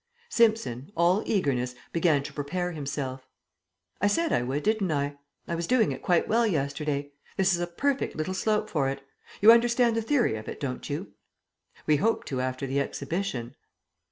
Simpson, all eagerness, began to prepare himself. "I said I would, didn't I? I was doing it quite well yesterday. This is a perfect little slope for it. You understand the theory of it, don't you?" "We hope to after the exhibition."